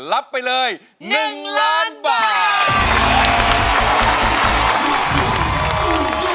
รับไปเลย๑ล้านบาท